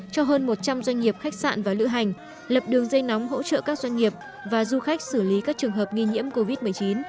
cho hơn một trăm linh doanh nghiệp khách sạn và lựa hành lập đường dây nóng hỗ trợ các doanh nghiệp và du khách xử lý các trường hợp nghi nhiễm covid một mươi chín